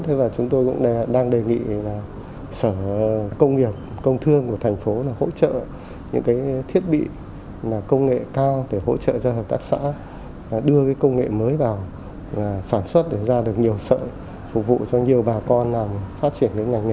thế và chúng tôi cũng đang đề nghị là sở công nghiệp công thương của thành phố là hỗ trợ những cái thiết bị công nghệ cao để hỗ trợ cho hợp tác xã đưa cái công nghệ mới vào sản xuất để ra được nhiều sợi phục vụ cho nhiều bà con phát triển cái ngành nghề